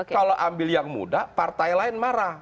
kalau ambil yang muda partai lain marah